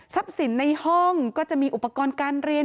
สินในห้องก็จะมีอุปกรณ์การเรียน